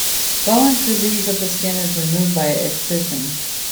Bowen's disease of the skin is removed by excision.